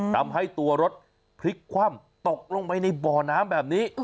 ทำให้ตัวรถพลิกคว่ำตกลงไปในบ่อน้ำแบบนี้